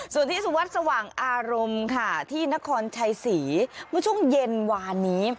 สวัสดิ์สวรรค์สว่างอารมณ์ค่ะที่นครชายศรีเมื่อช่วงเย็นวานนี้